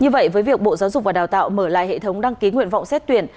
như vậy với việc bộ giáo dục và đào tạo mở lại hệ thống đăng ký nguyện vọng xét tuyển